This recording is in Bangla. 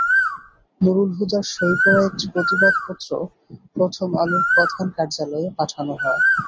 নুরুল হুদার সই করা একটি প্রতিবাদপত্র প্রথম আলোর প্রধান কার্যালয়ে পাঠানো হয়।